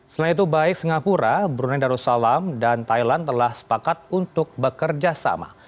selain itu baik singapura brunei dan osalam dan thailand telah sepakat untuk bekerjasama